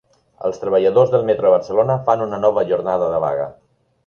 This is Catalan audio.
Els treballadors del metro de Barcelona fan una nova jornada de vaga.